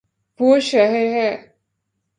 وہ شہر ہے